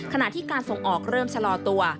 ขณะที่การส่งออกเริ่มชะลอตัว